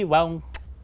thành phố nguy nga